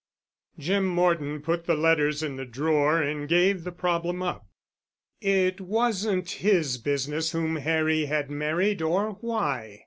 Jim Morton put the letters in the drawer and gave the problem up. It wasn't his business whom Harry had married or why.